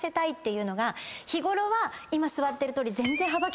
日ごろは今座ってるとおり全然。